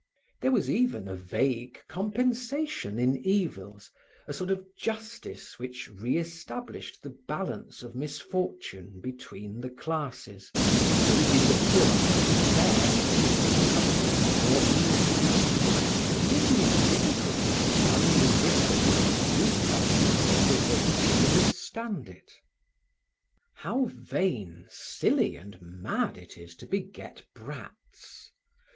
There was even a vague compensation in evils, a sort of justice which re established the balance of misfortune between the classes, permitting the poor to bear physical suffering more easily, and making it difficult for the unresisting, weaker bodies of the rich to withstand it. How vain, silly and mad it is to beget brats!